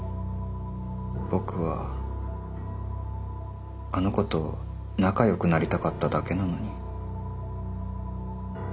僕はあの子と仲よくなりたかっただけなのに。